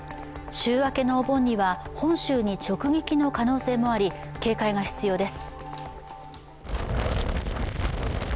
週明けのお盆には本州に直撃の可能性もあり警戒が必要です。